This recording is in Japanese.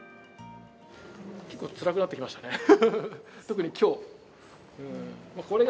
結構つらくなってきましたね、特にきょうは。